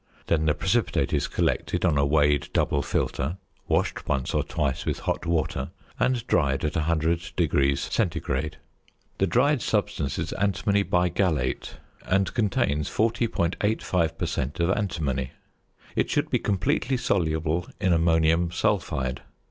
Then the precipitate is collected on a weighed double filter, washed once or twice with hot water, and dried at 100° C. The dried substance is antimony bigallate, and contains 40.85 per cent. of antimony. It should be completely soluble in ammonium sulphide.